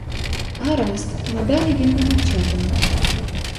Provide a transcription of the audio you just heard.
Гаразд, надалі він не мовчатиме.